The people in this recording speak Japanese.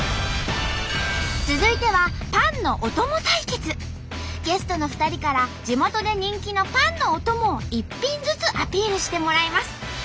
続いてはゲストの２人から地元で人気のパンのお供を１品ずつアピールしてもらいます。